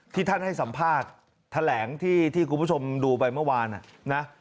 ท่านให้สัมภาษณ์แถลงที่คุณผู้ชมดูไปเมื่อวานนะ